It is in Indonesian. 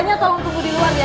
banya tolong tunggu diluar ya